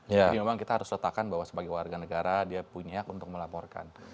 jadi memang kita harus letakkan bahwa sebagai warga negara dia punya hak untuk melaporkan